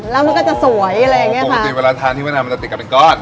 แล้วมันก็จะสวยอะไรอย่างเงี้ยปกติเวลาทานที่เวียนามมันจะติดกับเป็นก้อน